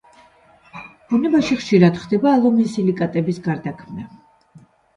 ბუნებაში ხშირად ხდება ალუმინსილიკატების გარდაქმნა.